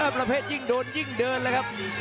ประเภทยิ่งโดนยิ่งเดินเลยครับ